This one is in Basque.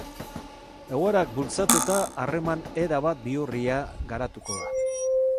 Egoerak bultzatuta, harreman erabat bihurria garatuko da.